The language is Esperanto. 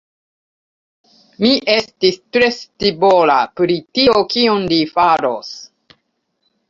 Mi estis tre scivola pri tio, kion li faros.